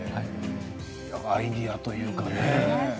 アイデアというかね。